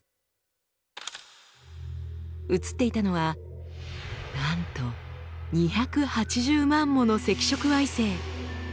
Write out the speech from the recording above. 写っていたのはなんと２８０万もの赤色矮星。